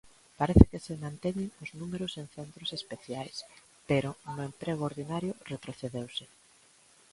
Parece que se manteñen os números en centros especiais, pero no emprego ordinario retrocedeuse.